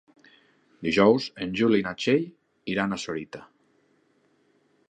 Dijous en Juli i na Txell iran a Sorita.